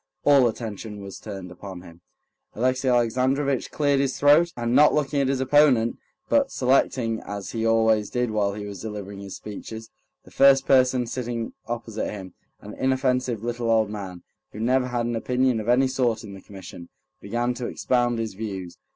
All attention was turned upon him. Alexey Alexandrovitch cleared his throat, and not looking at his opponent, but selecting, as he always did while he was delivering his speeches, the first person sitting opposite him, an inoffensive little old man, who never had an opinion of any sort in the Commission, began to expound his views.